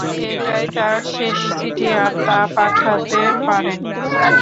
এটাই তার শেষ চিঠি আর তা পাঠাতে পারেনি।